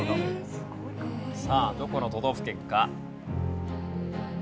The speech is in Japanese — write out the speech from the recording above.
さあどこの都道府県か？